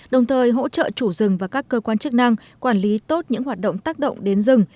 đồng thời hỗ trợ chủ rừng và các cơ quan chức năng quản lý tốt những hoạt động tác động đến rừng